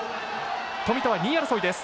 富田は２位争いです。